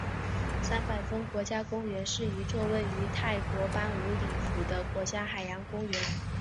三百峰国家公园是一座位于泰国班武里府的国家海洋公园。